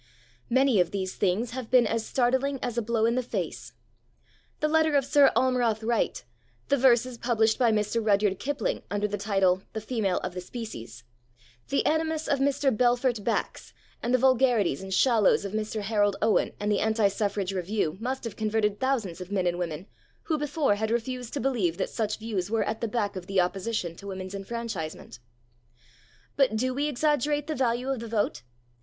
Many of these things have been as startling as a blow in the face. The letter of Sir Almroth Wright, the verses published by Mr. Rudyard Kipling under the title, The Female of the Species, the animus of Mr. Belfort Bax and the vulgarities and shallows of Mr. Harold Owen and the Anti Suffrage Review must have converted thousands of men and women who before had refused to believe that such views were at the back of the opposition to women's enfranchisement. But do we exaggerate the value of the vote?